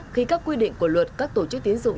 khi các quy định của luật các tổ chức tiến dụng